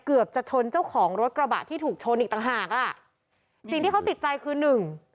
เกือบจะชนเจ้าของรถกระบะที่ถูกชนอีกต่างหากอ่ะสิ่งที่เขาติดใจคือหนึ่ง